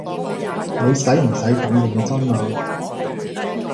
你洗唔洗咁認真啊？